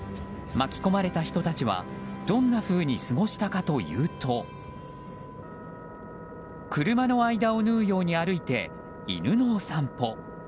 巻き込まれた人たちはどんなふうに過ごしたかというと車の間を縫うように歩いて犬の散歩。